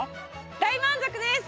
大満足です！